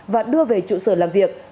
và đưa về trụ sở làm việc